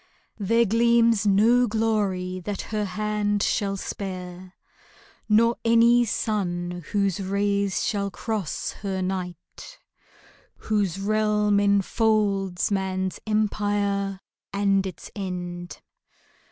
There gleams no glory that her hand shall spare, Nor any sun whose rays shall cross her night, Whose realm enfolds man's empire and its end.